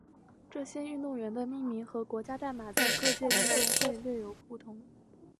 这些运动员的命名和国家代码在各届奥运会略有不同。